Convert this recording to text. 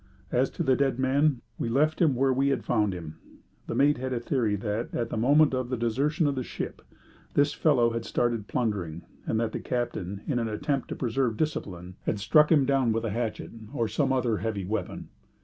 As to the dead man, we left him where we had found him. The mate had a theory that, at the moment of the desertion of the ship, this fellow had started plundering, and that the captain, in an attempt to preserve discipline, had struck him down with a hatchet or some other heavy weapon.